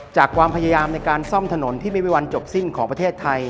ความพยายามในการซ่อมถนนที่ไม่มีวันจบสิ้นของประเทศไทย